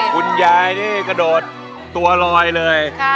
คุณยายนี่กระโดดตัวลอยเลย